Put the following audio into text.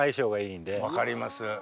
分かります。